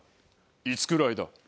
いつくらいだ？